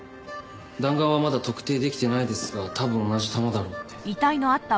弾丸はまだ特定できてないですが多分同じ弾だろうって。